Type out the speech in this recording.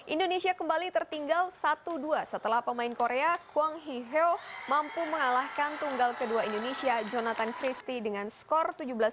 indonesia kembali tertinggal satu dua setelah pemain korea kwang hiheo mampu mengalahkan tunggal kedua indonesia jonathan christie dengan skor tujuh belas dua puluh